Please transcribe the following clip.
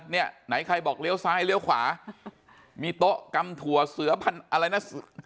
เนี่ยไหนใครบอกเลี้ยวซ้ายเลี้ยวขวามีโต๊ะกำถั่วเสือพันธุ์อะไรนะ